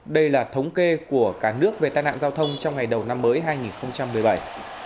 đây là thống kê của cả nước về tai nạn giao thông trong ngày đầu năm mới hai nghìn một mươi bảy